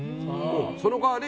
その代わり